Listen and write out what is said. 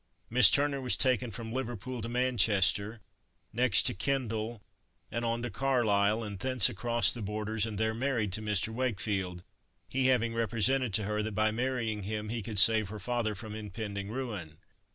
Miss Turner was taken from Liverpool to Manchester, next to Kendal, and on to Carlisle, and thence across the borders and there married to Mr. Wakefield; he having represented to her that by marrying him, he could save her father from impending ruin.